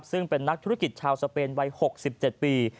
ซึ่งเป็นนักธุรกิจชาวสเปนวัย๖๗ปี